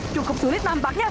cukup sulit nampaknya